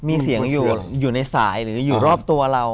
มีเสียงอยู่ในสายหรืออยู่รอบตัวเรา